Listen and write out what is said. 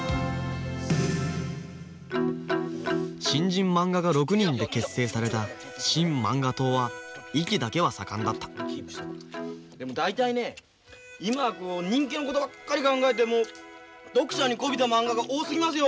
新人まんが家６人で結成された新漫画党は意気だけは盛んだったでも大体ね今人気のことばっかり考えてもう読者にこびたまんがが多すぎますよ。